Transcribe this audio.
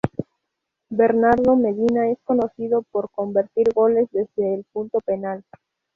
Bernardo Medina es conocido por convertir goles desde el punto penal.